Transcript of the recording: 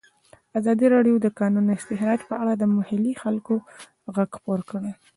ازادي راډیو د د کانونو استخراج په اړه د محلي خلکو غږ خپور کړی.